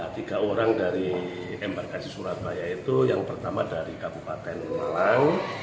tiga orang dari embarkasi surabaya itu yang pertama dari kabupaten malang